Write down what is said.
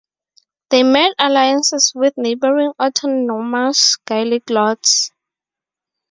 They made alliances with neighbouring autonomous Gaelic lords.